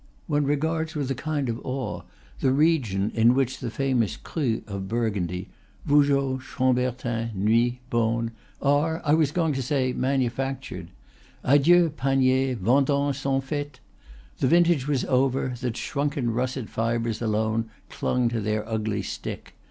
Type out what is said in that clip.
One regards with a kind of awe the region in which the famous crus of Burgundy (Yougeot, Chambertin, Nuits, Beaune) are, I was going to say, manufactured. Adieu, paniers; vendanges sont faites! The vintage was over; the shrunken russet fibres alone clung to their ugly stick.